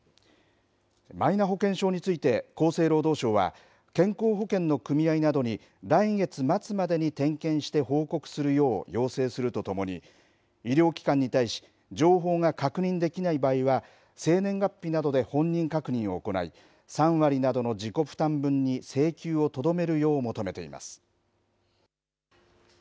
マイナ保険証について、厚生労働省は、健康保険の組合などに来月末までに点検して報告するよう要請するとともに、医療機関に対し、情報が確認できない場合は、生年月日などで本人確認を行い、３割などの自己負担分に請求をとどめるよう求めています。